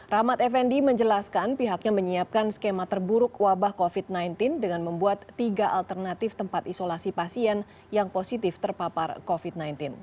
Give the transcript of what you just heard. rahmat effendi menjelaskan pihaknya menyiapkan skema terburuk wabah covid sembilan belas dengan membuat tiga alternatif tempat isolasi pasien yang positif terpapar covid sembilan belas